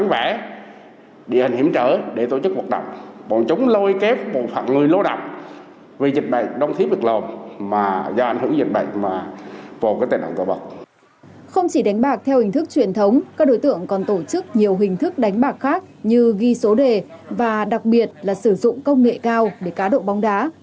và đặc biệt là sử dụng công nghệ cao để cá độ bóng đá